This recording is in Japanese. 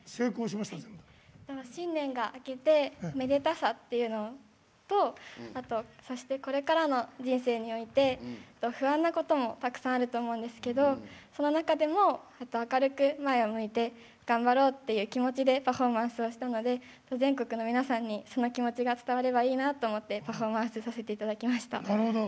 新年が明けてめでたさというのとそしてこれからの人生において不安なこともたくさんあると思うんですけどその中でも明るく前を向いて頑張ろうという気持ちでパフォーマンスをしたので全国の皆さんにその気持ちが伝わればいいなと思ってパフォーマンスをさせていただきました。